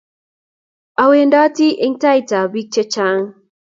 Awendoti eng tait ab bik che chaang